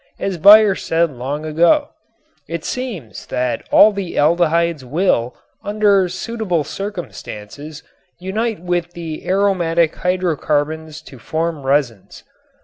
As Baeyer said long ago: "It seems that all the aldehydes will, under suitable circumstances, unite with the aromatic hydrocarbons to form resins."